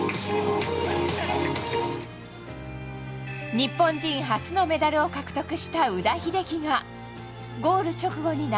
日本人初のメダルを獲得した宇田秀生がゴール直後に涙。